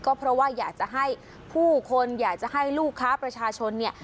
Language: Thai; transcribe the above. ก็เพราะว่าอยากจะให้ผู้คนอยากจะให้ลูกค้าประชาชนเนี่ย